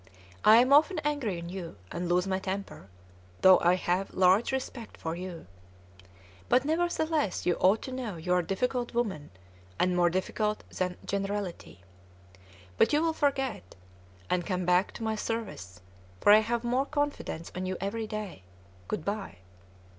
I am often angry on you, and lose my temper, though I have large respect for you. But nevertheless you ought to know you are difficult woman, and more difficult than generality. But you will forget, and come back to my service, for I have more confidence on you every day. Good by!"